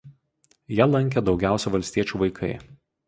Ją lankė daugiausia valstiečių vaikai.